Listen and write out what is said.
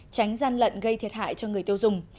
tránh gian lận gây thiệt hại cho người tiêu dùng